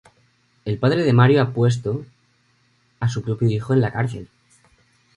El padre de Mario ha puesto, a su propio hijo en la cárcel.